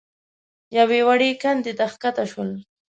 يوې وړې کندې ته کښته شول.